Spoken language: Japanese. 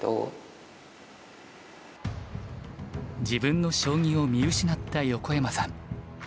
自分の将棋を見失った横山さん。